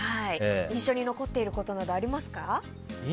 印象に残っていることありますか？